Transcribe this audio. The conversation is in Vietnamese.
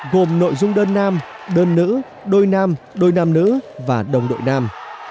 gồm nội dung đơn nam đơn nữ đôi nam đôi nam nữ và đồng đội nam